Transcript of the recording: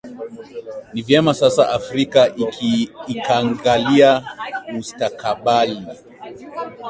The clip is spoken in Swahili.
ni vyema sasa afrika ikangalia mustakabali